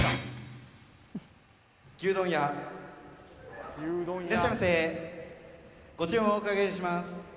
「牛丼屋」いらっしゃいませご注文お伺いします